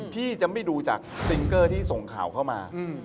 พี่จะกระส่งข่าวเข้ามา